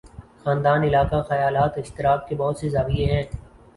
خاندان، علاقہ، خیالات اشتراک کے بہت سے زاویے ہیں۔